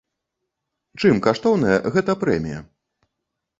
Чым каштоўная гэта прэмія?